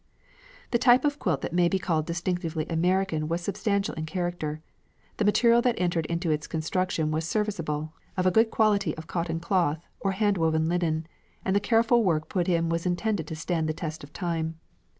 The type of quilt that may be called distinctively American was substantial in character; the material that entered into its construction was serviceable, of a good quality of cotton cloth, or handwoven linen, and the careful work put into it was intended to stand the test of time.